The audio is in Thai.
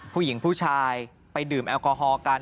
ผู้หญิงผู้ชายไปดื่มแอลกอฮอล์กัน